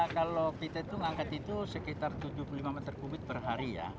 kalau kita itu mengangkat itu sekitar tujuh puluh lima meter kubik per hari ya